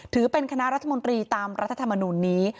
ถือเป็นคณะรัฐมนตรีตามรัฐธรรมนูลนี้